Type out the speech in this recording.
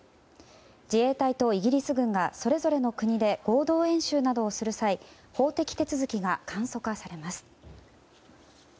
自衛隊とイギリス軍がそれぞれの国で合同演習などをする際法的手続きが簡素化されます。